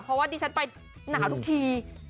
เพราะว่าดิฉันไปหนาวทุกที